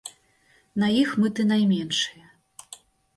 На іх мыты найменшыя.